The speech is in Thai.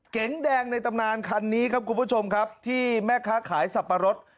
เก๋งแดงในตำนานคันนี้ครับคุณผู้ชมครับที่แม่ค้าขายสับปะรด